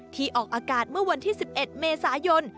ออกอากาศเมื่อวันที่๑๑เมษายน